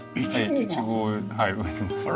イチゴはい植えてます。